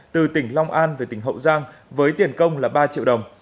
từ tỉnh long an về tỉnh hậu giang với tiền công là ba triệu đồng